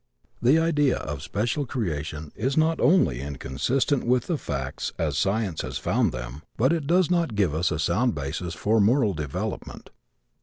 The idea of special creation is not only inconsistent with the facts as science has found them, but it does not give us a sound basis for moral development.